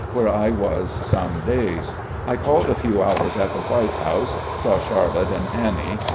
where I was some days. I called a few hours at the White House. Saw Charlotte and Annie.